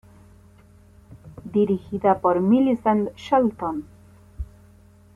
Dirigida por Millicent Shelton.